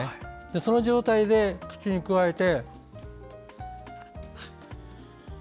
その状態で口にくわえて。